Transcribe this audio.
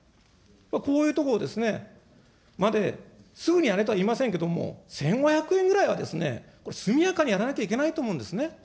こういうところですね、まで、すぐにやれとは言いませんけれども、１５００円ぐらいは、これ、速やかにやらなきゃいけないと思うんですね。